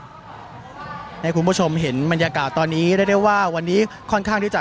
ให้คุณผู้ชมเห็นบรรยากาศตอนนี้เรียกได้ว่าวันนี้ค่อนข้างที่จะ